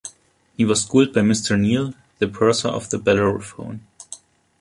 He was schooled by Mr Neale, the purser of the "Bellerophon".